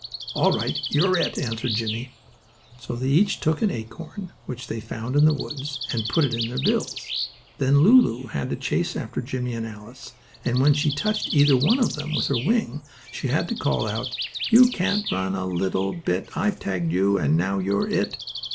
"All right, you're it," answered Jimmie. So they each took an acorn which they found in the woods and put it in their bills. Then Lulu had to chase after Jimmie and Alice, and when she touched either one of them with her wing she had to call out: "You can't run a little bit, I've tagged you, and now you're it."